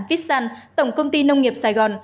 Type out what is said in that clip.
vietsan tổng công ty nông nghiệp sài gòn